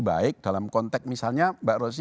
baik dalam konteks misalnya mbak rosy